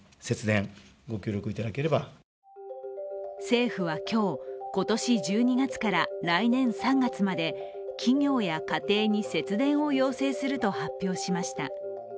政府は今日、今年１２月から来年３月まで企業や家庭に節電を要請すると発表しました。